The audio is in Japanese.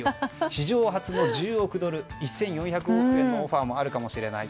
史上初の１０億ドル１４００億円のオファーもあるかもしれない。